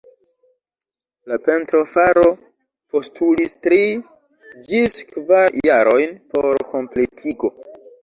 La pentrofaro postulis tri ĝis kvar jarojn por kompletigo.